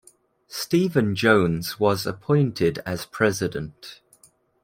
Steven Jones was appointed as President.